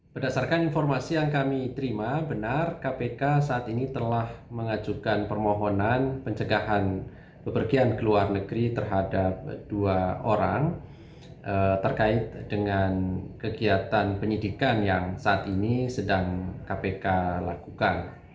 pada saat ini pdip telah mengajukan permohonan penjagaan ke luar negeri terhadap dua orang terkait dengan kegiatan penyidikan yang saat ini sedang kpk lakukan